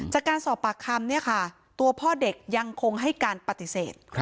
จากการสอบปากคำเนี่ยค่ะตัวพ่อเด็กยังคงให้การปฏิเสธ